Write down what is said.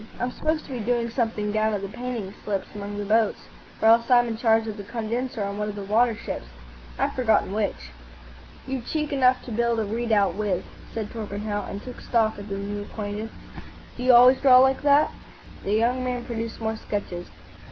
I'm supposed to be doing something down at the painting slips among the boats, or else I'm in charge of the condenser on one of the water ships. I've forgotten which." "You've cheek enough to build a redoubt with," said Torpenhow, and took stock of the new acquaintance. "Do you always draw like that?" The young man produced more sketches.